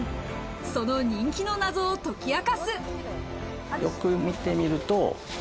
その人気のナゾを解き明かす。